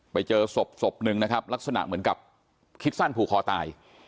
ไปเจอศพศพหนึ่งนะครับลักษณะเหมือนกับคิดสั้นผูกคอตาย